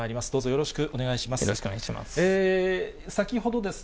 よろしくお願いします。